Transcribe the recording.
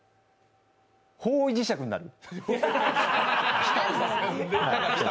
方位磁石になる？